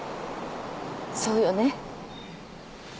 そうよね？